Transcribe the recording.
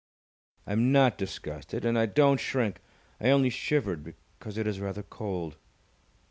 "I'm not disgusted! And I don't shrink! I only shivered because it is rather cold."